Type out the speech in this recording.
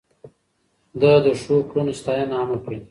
ده د ښو کړنو ستاينه عامه کړه.